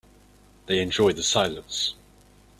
They enjoyed the silence.